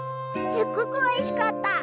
すっごくおいしかった！